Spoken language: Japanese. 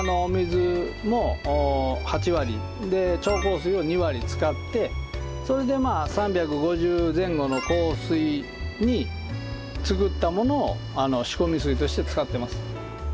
それを６７の使ってそれで３５０前後の硬水に作ったものを仕込み水として使ってます。